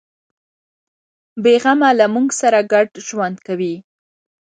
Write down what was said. بیغمه له موږ سره ګډ ژوند کوي.